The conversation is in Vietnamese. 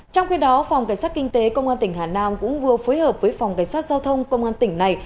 trong khi đó phòng cảnh sát kinh tế công an tỉnh hà nam cũng vừa phối hợp với phòng cảnh sát giao thông công an tỉnh này